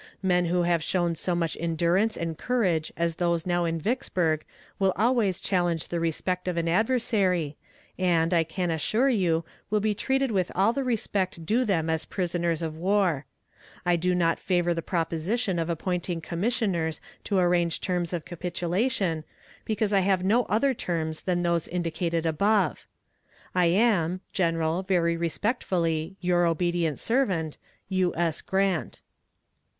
Men who have shown so much endurance and courage as those now in Vicksburg will always challenge the respect of an adversary, and, I can assure you, will be treated with all the respect due them as prisoners of war. I do not favor the proposition of appointing commissioners to arrange terms of capitulation, because I have no other terms than those indicated above. I am, General, very respectfully, your obedient servant, U. S. GRANT.